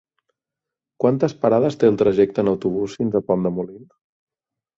Quantes parades té el trajecte en autobús fins a Pont de Molins?